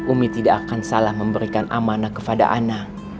umi tidak akan salah memberikan amanah kepada ana